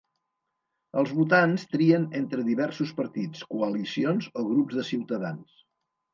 Els votants trien entre diversos partits, coalicions o grups de ciutadans.